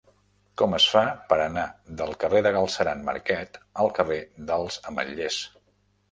Com es fa per anar del carrer de Galceran Marquet al carrer dels Ametllers?